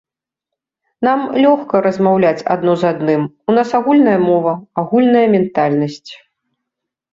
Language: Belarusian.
Нам лёгка размаўляць адно з адным, у нас агульная мова, агульная ментальнасць.